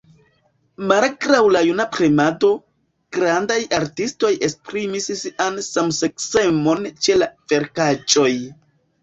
Malgraŭ la jura premado, grandaj artistoj esprimis sian samseksemon ĉe la verkaĵoj.